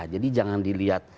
jadi jangan dilihat